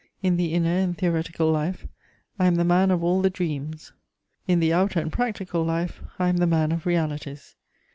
In the inner and theoretical life, I am the man of all the dreams; in the outer and practical life, I am the man of realities.